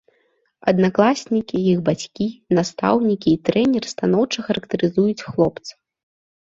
Аднакласнікі, іх бацькі, настаўнікі і трэнер станоўча характарызуюць хлопца.